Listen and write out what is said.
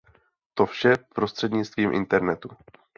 To vše prostřednictvím Internetu.